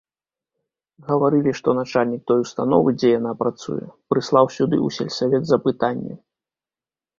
Гаварылі, што начальнік той установы, дзе яна працуе, прыслаў сюды ў сельсавет запытанне.